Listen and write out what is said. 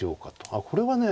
あっこれはね